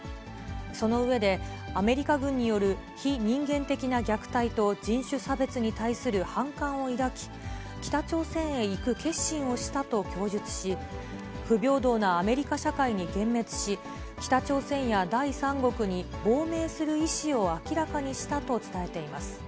その上で、アメリカ軍による非人間的な虐待と人種差別に対する反感を抱き、北朝鮮へ行く決心をしたと供述し、不平等なアメリカ社会に幻滅し、北朝鮮や第三国に亡命する意思を明らかにしたと伝えています。